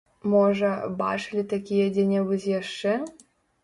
Можа, бачылі такія дзе-небудзь яшчэ?